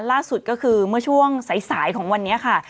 ล่าสุดก็คือเมื่อช่วงสายของวันนี้ค่ะ